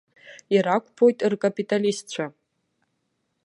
Ирақәԥоит ркапиталистцәа.